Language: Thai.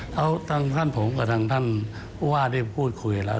แล้วทางท่านผมกับทางท่านผู้ว่าได้พูดคุยแล้ว